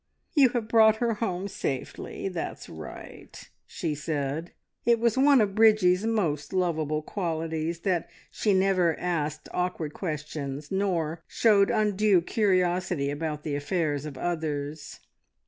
"You have brought her home safely. That's right," she said. It was one of Bridgie's most lovable qualities that she never asked awkward questions, nor showed undue curiosity about the affairs of others.